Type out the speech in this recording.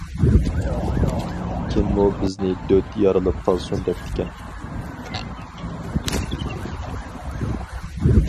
كىممۇ بىزنى دۆت يارىلىپ قالسۇن دەپتىكەن.